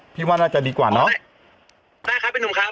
ว่าน่าจะดีกว่าเนอะได้ครับพี่หนุ่มครับ